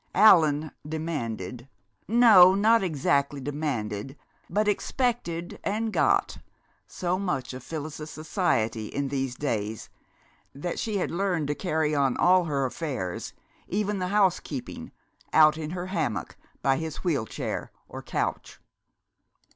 Allan demanded no, not exactly demanded, but expected and got so much of Phyllis's society in these days that she had learned to carry on all her affairs, even the housekeeping, out in her hammock by his wheel chair or couch.